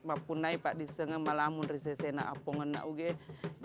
pak punai itu adalah seorang yang mengajar orang lain